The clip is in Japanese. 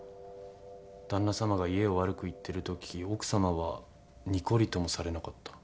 旦那様が家を悪く言ってるとき奥様はにこりともされなかった。